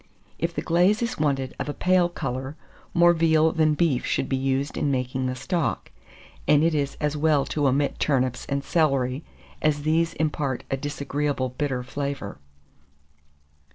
If the glaze is wanted of a pale colour, more veal than beef should be used in making the stock; and it is as well to omit turnips and celery, as these impart a disagreeable bitter flavour.